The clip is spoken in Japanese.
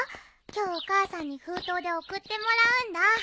今日お母さんに封筒で送ってもらうんだ。